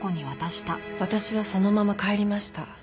私はそのまま帰りました。